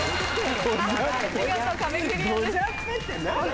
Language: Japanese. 見事壁クリアです。